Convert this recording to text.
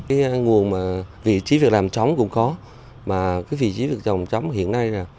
cái nguồn mà vị trí việc làm trống cũng có mà cái vị trí việc trồng trống hiện nay là